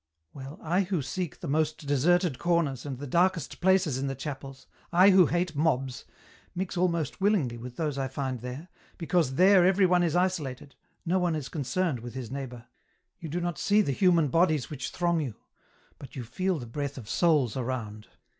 60 EN ROUTE. •* Well, I who seek the most deserted corners and tne darkest places in the chapels, I who hate mobs, mix almost willingly with those I find there ; because there everyone is isolated, no one is concerned with his neighbour, you do not see the human bodies which throng you, but you feel the breath of souls around.